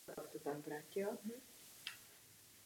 Posílám rekonstrukci i s pozicema.